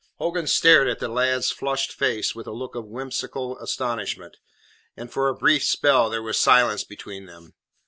Hogan stared at the lad's flushed face with a look of whimsical astonishment, and for a brief spell there was silence between them.